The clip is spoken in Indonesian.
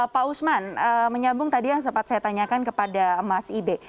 pak usman menyambung tadi yang sempat saya tanyakan kepada mas ibe